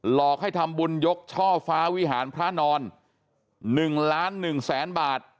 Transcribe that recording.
หลอกให้ทำบุญยกช่อฟ้าวิหารพระนอน๑ล้าน๑แสนบาท